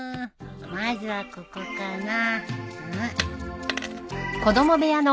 まずはここかな。